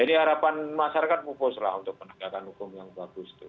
jadi harapan masyarakat pupus lah untuk penegakan hukum yang bagus itu